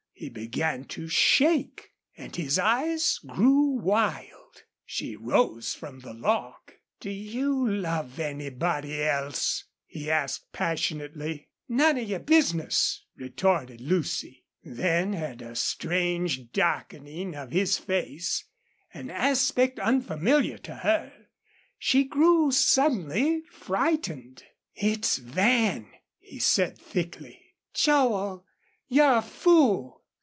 He began to shake, and his eyes grew wild. She rose from the log. "Do you love anybody else?" he asked, passionately. "None of your business!" retorted Lucy. Then, at a strange darkening of his face, an aspect unfamiliar to her, she grew suddenly frightened. "It's Van!" he said, thickly. "Joel, you're a fool!"